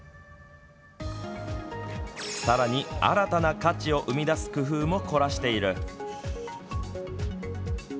さらに新たな価値を生み出す工夫も凝らしている。